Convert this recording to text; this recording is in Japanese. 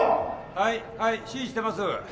はいはい指示してます。